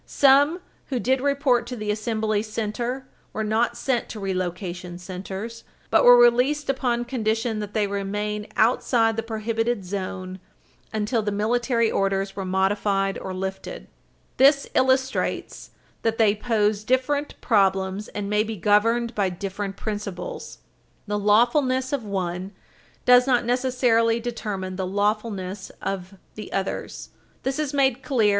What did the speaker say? Some who did report to the assembly center were not sent to relocation centers, but were released upon condition that they remain outside the prohibited zone until the military orders were modified or lifted. This illustrates that they pose different problems, and may be governed by different principles. T he lawfulness of one does not necessarily determine the lawfulness of the others. This is made clear Page 323 U.